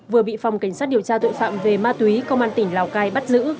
vừa bị phòng cảnh sát điều tra tội phạm về ma túy công an tỉnh lào cai bắt giữ